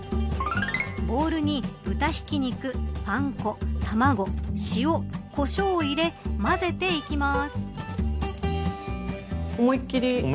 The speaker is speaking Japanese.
ボールに豚ひき肉、パン粉、卵塩、コショウを入れ混ぜていきます。